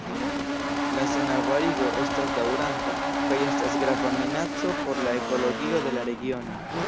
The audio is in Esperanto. La senarbarigo estas daŭranta kaj estas grava minaco por la ekologio de la regiono.